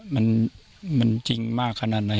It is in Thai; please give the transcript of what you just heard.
มันจริงมากขนาดไหน